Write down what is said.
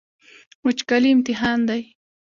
وچکالي امتحان دی.